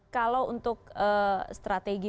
kalau untuk strategi